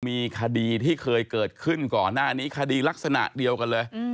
มีคดีที่เคยเกิดขึ้นก่อนหน้านี้คดีลักษณะเดียวกันเลย